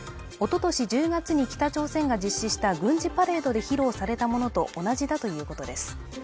おととし１０月に北朝鮮が実施した軍事パレードで披露されたものと同じだということです